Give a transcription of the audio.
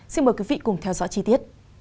xin mời quý vị cùng theo dõi chi tiết